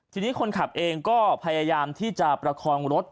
ทีนี้คนขับเองก็พยายามที่จะประคองรถ